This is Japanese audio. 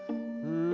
うん。